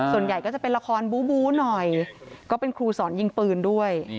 ส่วนใหญ่ก็จะเป็นละครบู๊หน่อยก็เป็นครูสอนยิงปืนด้วย